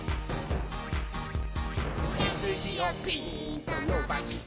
「せすじをピーンとのばして」